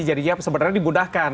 jadinya sebenarnya digunakan